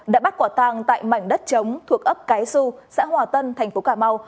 đã bắt quả tàng tại mảnh đất chống thuộc ấp cái xu xã hòa tân tp cà mau